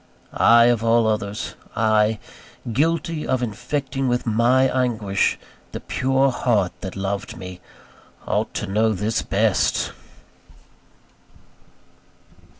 I, of all others I, guilty of infecting with my anguish the pure heart that loved me ought to know this best!